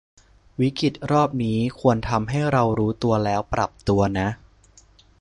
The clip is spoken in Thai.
วิกฤตรอบนี้ควรทำให้เรารู้ตัวแล้วปรับตัวนะ